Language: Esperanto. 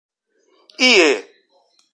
ie